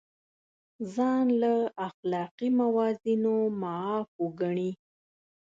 ځان له اخلاقي موازینو معاف وګڼي.